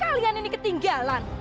kalian ini ketinggalan